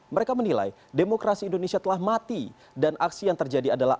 mereka menilai demokrasi indonesia telah mati dan aksi yang terjadi adalah